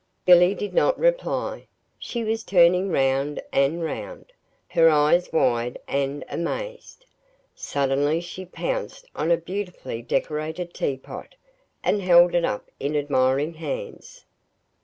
Billy did not reply. She was turning round and round, her eyes wide and amazed. Suddenly she pounced on a beautifully decorated teapot, and held it up in admiring hands.